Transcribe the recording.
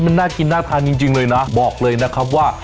มันน่ากินน่าทานจริงเลยนะ